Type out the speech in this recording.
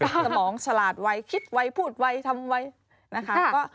สมองฉลาดไวคิดไวพูดไวทำไวนะคะ